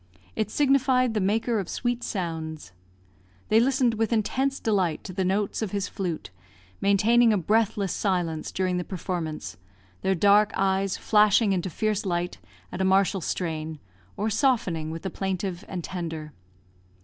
It signified the maker of sweet sounds. They listened with intense delight to the notes of his flute, maintaining a breathless silence during the performance; their dark eyes flashing into fierce light at a martial strain, or softening with the plaintive and tender.